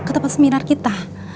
ke tempat seminar kita